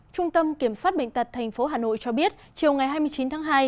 trung tâm kiểm soát bệnh tật tp hà nội cho biết chiều ngày hai mươi chín tháng hai